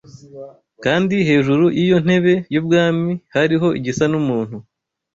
kandi hejuru y’iyo ntebe y’ubwami hariho igisa n’umuntu